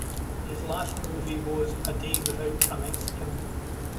His last movie was "A Day Without a Mexican".